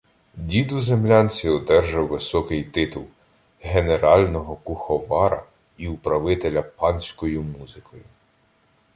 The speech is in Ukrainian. Діду землянці одержав високий титул — генерального куховара і управителя "панською музикою".